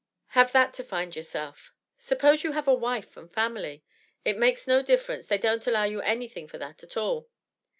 "Have that to find yourself." "Suppose you have a wife and family." "It makes no difference, they don't allow you anything for that at all."